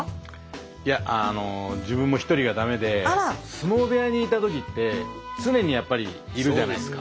相撲部屋にいた時って常にやっぱりいるじゃないですか。